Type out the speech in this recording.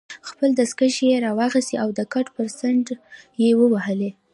خپلې دستکشې يې راواخیستې او د کټ پر څنډه ېې ووهلې.